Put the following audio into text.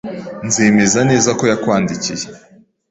Nzemeza neza ko yakwandikiye.